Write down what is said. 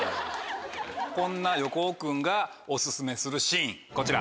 こんな横尾君がオススメするシーンこちら。